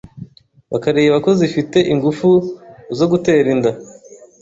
bakareba ko zifite ingufu zo gutera inda